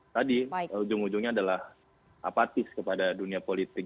tadi ujung ujungnya adalah apatis kepada dunia politik